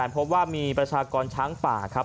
พบว่ามีประชากรช้างป่าครับ